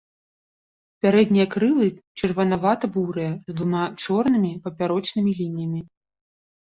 Пярэднія крылы чырванавата-бурыя, з двума чорнымі папярочнымі лініямі.